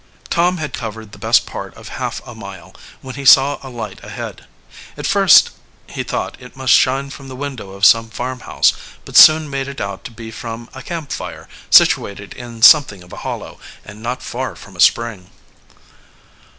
Tom had covered the best part of half a mile: when he saw a light ahead. At first he thought it must shine from the window of some farmhouse, but soon made it out to be from a campfire, situated in something of a hollow and not far from a spring.